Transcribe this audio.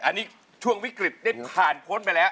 อันนี้ช่วงวิกฤตได้ผ่านพ้นไปแล้ว